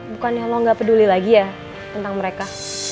bukannya lo gak peduli lagi ya tentang mereka